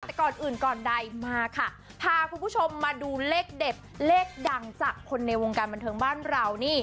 แต่ก่อนอื่นก่อนใดมาค่ะพาคุณผู้ชมมาดูเลขเด็ดเลขดังจากคนในวงการบันเทิงบ้านเรานี่